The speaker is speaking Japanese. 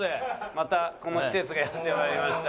またこの季節がやってまいりました。